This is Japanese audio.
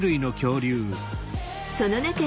その中に。